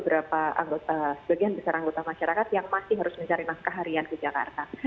berapa anggota sebagian besar anggota masyarakat yang masih harus mencari nafkah harian ke jakarta